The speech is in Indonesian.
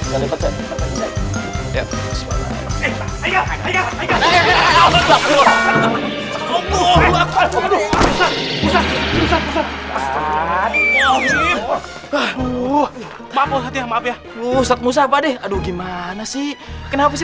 maaf ya maaf ya aduh gimana sih kenapa sih